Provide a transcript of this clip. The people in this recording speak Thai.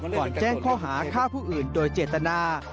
แจ้งข้อหาฆ่าผู้อื่นโดยเจตนา